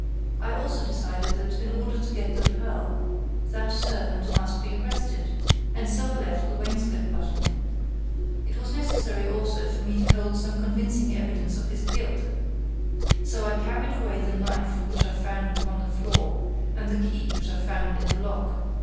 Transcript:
I also decided that, in order to get the pearl, that servant must be arrested, and so I left the wainscoat button; it was necessary, also, for me to hold some convincing evidence of his guilt, so I carried away the knife which I found upon the floor, and the key which I found in the lock.